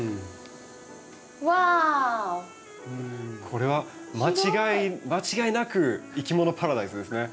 これは間違いなくいきものパラダイスですね。